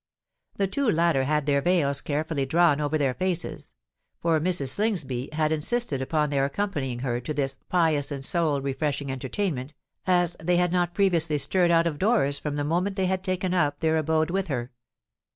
The two latter had their veils carefully drawn over their faces; for Mrs. Slingsby had insisted upon their accompanying her to this "pious and soul refreshing entertainment," as they had not previously stirred out of doors from the moment they had taken up their abode with her.